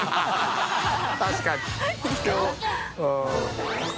確かに。